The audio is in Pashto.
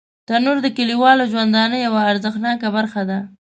تنور د کلیوالو ژوندانه یوه ارزښتناکه برخه ده